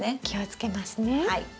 気をつけますね。